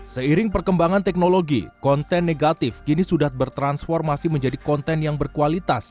seiring perkembangan teknologi konten negatif kini sudah bertransformasi menjadi konten yang berkualitas